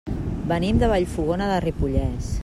Venim de Vallfogona de Ripollès.